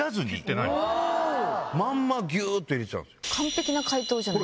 まんまギュっと入れちゃう。